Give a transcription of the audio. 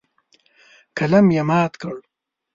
قلم یې مات کړ.